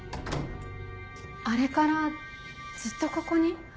あれからずっとここに？